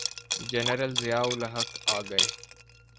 General Zia ul Haq آ گئے۔